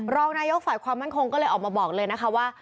รองนายกฝ่ายความมั่นคงก็เลยออกมาบอกเลยนะคะว่า